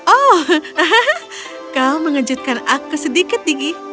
oh kau mengejutkan aku sedikit gigi